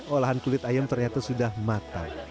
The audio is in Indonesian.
olahan kulit ayam ternyata sudah matang